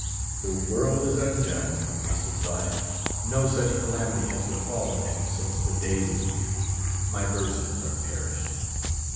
The world is undone, he must have thought: no such calamity has befallen it since the Deluge;—my verses are perished.